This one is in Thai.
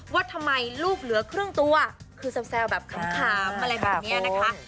ว่าทำไมลูกเหลือครึ่งตัวคือแซวแบบขำอะไรแบบนี้นะคะ